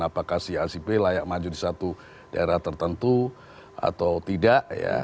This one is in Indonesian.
apakah si acp layak maju di satu daerah tertentu atau tidak